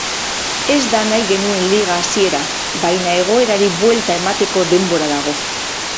Ez da nahi genuen liga hasiera, baina egoerari buelta emateko denbora dago.